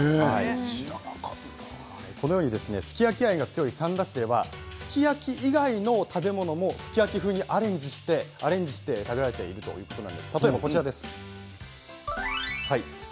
すき焼き愛が強い三田市ではすき焼き以外の食べ物もすき焼き風にアレンジして食べられているということなんです。